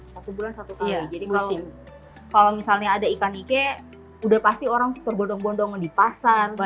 satu bulan satu kali jadi kalau misalnya ada ikan ike sudah pasti orang tergondong gondong di pasar